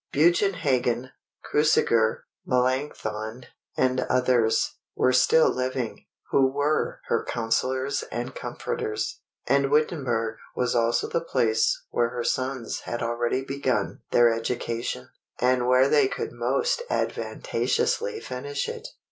Bugenhagen, Cruciger, Melanchthon, and others, were still living, who were her counsellors and comforters; and Wittenberg was also the place where her sons had already begun their education, and where they could most advantageously finish it.